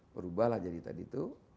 berubahlah jadi tadi itu